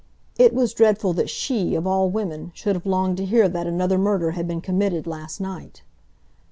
It was dreadful that she, of all women, should have longed to hear that another murder had been committed last night!